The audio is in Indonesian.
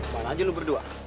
mana aja lu berdua